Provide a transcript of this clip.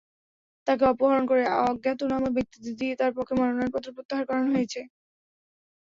তাঁকে অপহরণ করে অজ্ঞাতনামা ব্যক্তিদের দিয়ে তাঁর পক্ষে মনোনয়নপত্র প্রত্যাহার করানো হয়েছে।